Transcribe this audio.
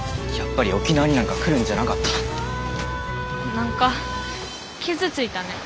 何か傷ついたね。